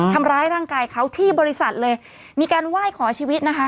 ทำร้ายร่างกายเขาที่บริษัทเลยมีการไหว้ขอชีวิตนะคะ